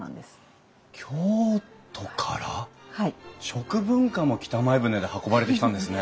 食文化も北前船で運ばれてきたんですね。